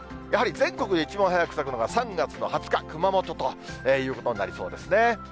やはり全国で一番早く咲くのが３月の２０日、熊本ということになりそうですね。